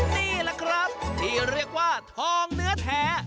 นี่แหละครับที่เรียกว่าทองเนื้อแท้